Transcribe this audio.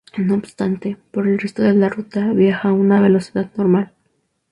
No obstante, por el resto de la ruta, viaja a una velocidad normal.